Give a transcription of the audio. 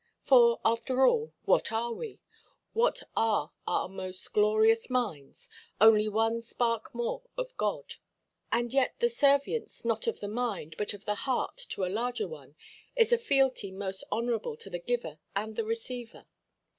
For, after all, what are we? What are our most glorious minds? Only one spark more of God. And yet the servience, not of the mind, but of the heart to a larger one, is a fealty most honourable to the giver and the receiver.